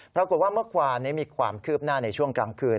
ปรากฏว่าเมื่อวานนี้มีความคืบหน้าในช่วงกลางคืน